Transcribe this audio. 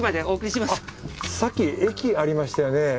あっさっき駅ありましたよね？